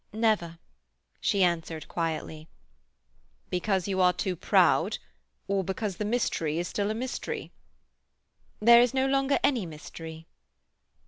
"Never," she answered quietly. "Because you are too proud, or because the mystery is still a mystery?" "There is no longer any mystery."